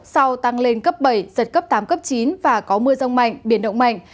sau tăng lên cấp bảy giật cấp tám cấp chín và có mưa rông mạnh biển động mạnh